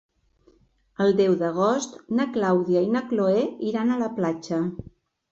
El deu d'agost na Clàudia i na Cloè iran a la platja.